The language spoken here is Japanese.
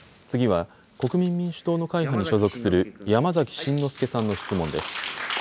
次は、国民民主党の会派に所属する、山崎真之輔さんの質問です。